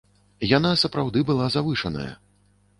Яна сапраўды была завышаная.